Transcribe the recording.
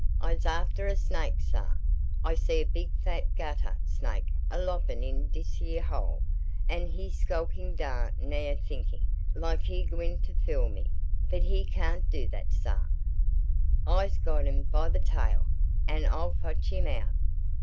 "I's aftah a snake, sah. I see a big fat gahtah snake a lopin' into dis yere hole, an' he's skulkin' dar now thinkin' like he gwine to fool me. But he cayn't do dat, sah. I's got 'im by de tail, an' I'll fotch 'im out."